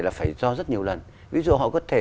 là phải do rất nhiều lần ví dụ họ có thể